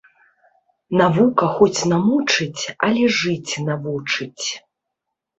Навука хоць намучыць, але жыць навучыць